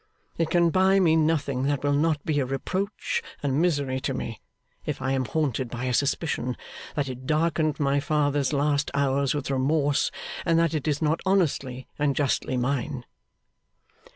It can buy me nothing that will not be a reproach and misery to me, if I am haunted by a suspicion that it darkened my father's last hours with remorse, and that it is not honestly and justly mine.